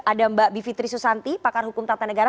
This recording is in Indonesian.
ada mbak bivitri susanti pakar hukum tata negara